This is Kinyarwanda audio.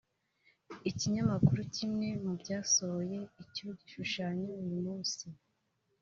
Ikinyamakuru kimwe mu byasohoye icyo gishushanyo uyu munsi